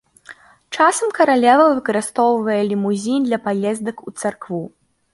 Часам каралева выкарыстоўвае лімузін для паездак у царкву.